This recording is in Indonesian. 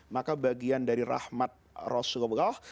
maka bagian dari rahmat rasulullah